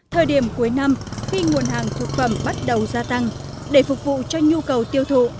thời điểm cuối năm khi nguồn hàng thực phẩm bắt đầu gia tăng để phục vụ cho nhu cầu tiêu thụ